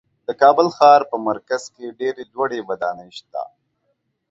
د کابل ښار په مرکز کې ډېرې لوړې ودانۍ شته.